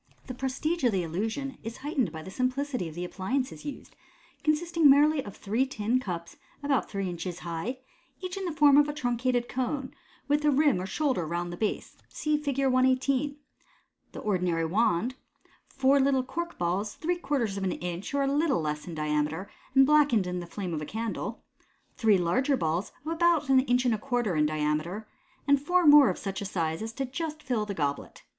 The prestige of the illusion is heightened by the simplicity of the appliances used, consisting merely of three tin cups about three inches high, each in the form of a truncated cone, with a rim or shoulder round the base (see Fig. 118), the ordinary wand, four little cork balls, three quarters of an inch or a little less in diameter, and blackened in the flame of a candle, three larger balls of about an inch and a quarter in diameter, and four more of such a size as to just fill the goblet.